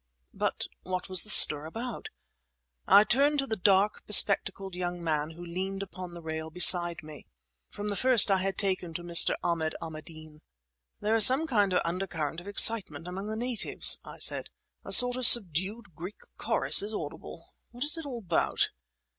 But what was the stir about? I turned to the dark, bespectacled young man who leaned upon the rail beside me. From the first I had taken to Mr. Ahmad Ahmadeen. "There is some kind of undercurrent of excitement among the natives," I said, "a sort of subdued Greek chorus is audible. What's it all about?"